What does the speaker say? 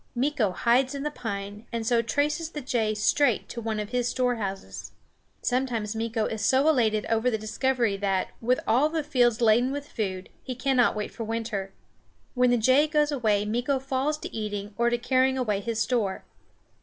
Meeko hides in the pine, and so traces the jay straight to one of his storehouses. Sometimes Meeko is so elated over the discovery that, with all the fields laden with food, he cannot wait for winter. When the jay goes away Meeko falls to eating or to carrying away his store.